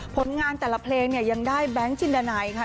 ผลงานแต่ละเพลงเนี่ยยังได้แบงค์จินดานัยค่ะ